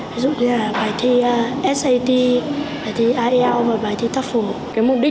ví dụ như là bài thi sat bài thi ielts và bài thi tafu